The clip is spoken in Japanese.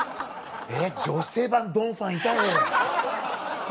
えっ女性版ドン・ファンいたよ。